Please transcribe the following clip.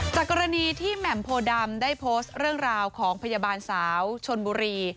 จากกรณีที่แหม่มโพดำได้โพสต์เรื่องราวของพยาบาลสาวชนบุรี